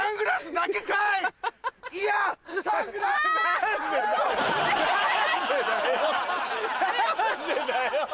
何でだよ！